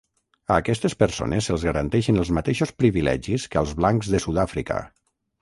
A aquestes persones se'ls garantien els mateixos privilegis que als blancs de Sud-àfrica.